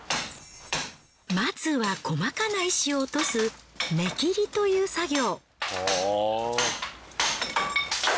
まずは細かな石を落とす目切りという作業。